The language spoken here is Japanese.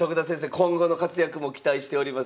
今後の活躍も期待しております。